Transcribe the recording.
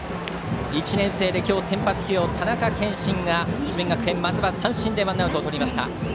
１年生で今日先発起用田中謙心が智弁学園、まずは三振でワンアウトをとりました。